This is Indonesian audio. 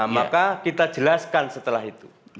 maka kita jelaskan setelah itu